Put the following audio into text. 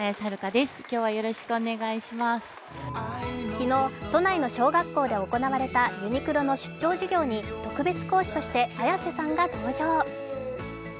昨日、都内の小学校で行われたユニクロの出張授業に特別講師として綾瀬さんが登場。